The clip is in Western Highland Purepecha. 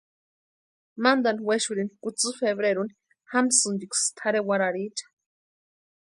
Mantani wexurhini kutsï febreruni jamsïntiksï tʼarhe warharicha.